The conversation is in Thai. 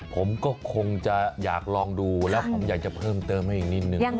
ผมก็คงจะอยากลองดูแล้วผมอยากจะเพิ่มเติมให้อีกนิดนึง